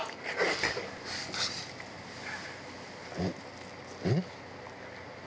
うんうん？